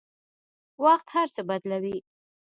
وخت هر څه بدلوي.